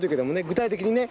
具体的にね